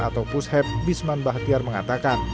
atau pushep bisman bahtiar mengatakan